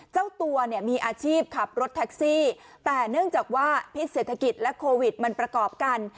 เจ้าตัวเนี่ยมีอาชีพขับรถแท็กซี่แต่เนื่องจากว่าพิษเศรษฐกิจและโควิดมันประกอบกัน